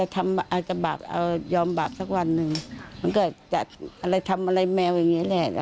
ทำอะไรแมวอย่างงี้แหละ